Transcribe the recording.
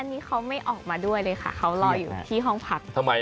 อันนี้เขาไม่ออกมาด้วยเลยค่ะเขารออยู่ที่ห้องพัก